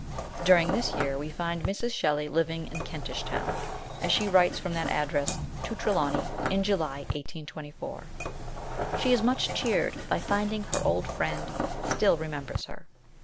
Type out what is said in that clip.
During this year we find Mrs. Shelley living in Kentish Town, as she writes from that address to Tre lawny in July 1824. She is much cheered by find ing her old friend still remembers her.